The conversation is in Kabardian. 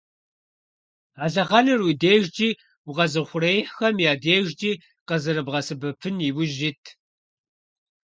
А лъэхъэнэр уи дежкӀи укъэзыухъуреихьхэм я дежкӀи къызэрыбгъэсэбэпыным иужь ит.